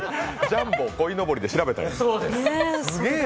ジャンボ、こいのぼりで調べたのか。